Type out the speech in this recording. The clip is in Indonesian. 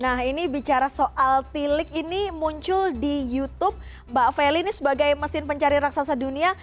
nah ini bicara soal tilik ini muncul di youtube mbak feli ini sebagai mesin pencari raksasa dunia